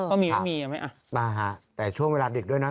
อ่าแต่ช่วงเวลาดิดด้วยนะ